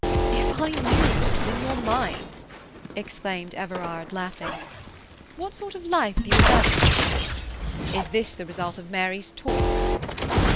"If I knew what is in your mind!" exclaimed Everard, laughing. "What sort of life have you imagined for me? Is this the result of Mary's talk?"